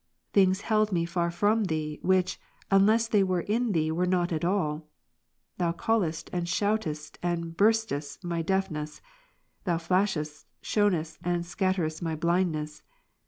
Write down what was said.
Things held me far from Thee, which, unless they were in Thee, were not at alii. Thou calledst, and shoutedst, and burstedst my deafness. Thou flashedst, shonest, and scatteredst my blindness.